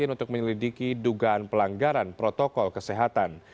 untuk menyelidiki dugaan pelanggaran protokol kesehatan